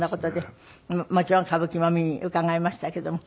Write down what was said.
もちろん歌舞伎も見に伺いましたけども。